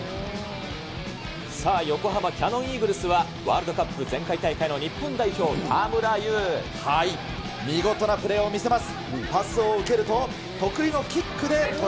さあ、横浜キヤノンイーグルスはワールドカップ前回大会の日本代表、見事なプレーを見せます。